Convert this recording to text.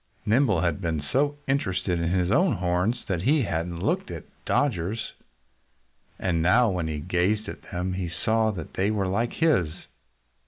Nimble had been so interested in his own horns that he hadn't looked at Dodger's. And now when he gazed at them he saw that they were like his.